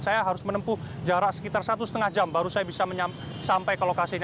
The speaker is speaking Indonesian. saya harus menempuh jarak sekitar satu lima jam baru saya bisa sampai ke lokasi ini